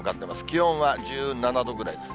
気温は１７度ぐらいです。